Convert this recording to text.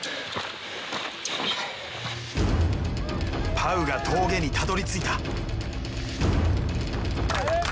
パウが峠にたどりついた。